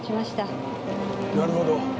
なるほど。